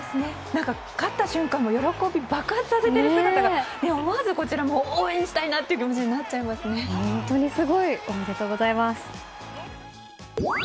勝った瞬間も喜びを爆発させている姿が思わずこちらも応援したいなという感じに本当にすごい！